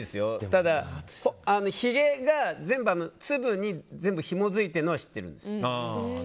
ただ、ひげが全部粒にひもづいてるのは知ってるんですよ。